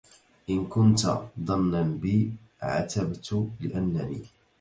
إن كنت ضنا بي عتبت لأنني